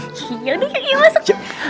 yaudah yuk masuk